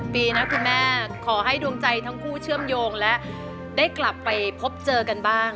ปีนะคุณแม่ขอให้ดวงใจทั้งคู่เชื่อมโยงและได้กลับไปพบเจอกันบ้าง